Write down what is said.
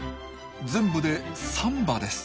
全部で３羽です。